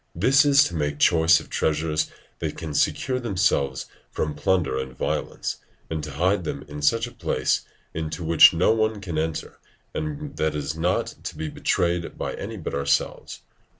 This it is to make choice of treasures that can secure themselves from plunder and violence, and to hide them in such a place into which no one can enter and that is not to be betrayed by any but ourselves.